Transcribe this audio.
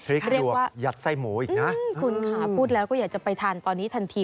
เรียกว่ายัดไส้หมูอีกนะคุณค่ะพูดแล้วก็อยากจะไปทานตอนนี้ทันที